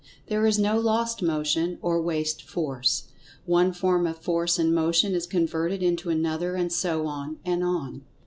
There is no lost motion, or waste force. One form of force and motion is converted into another, and so on, and on.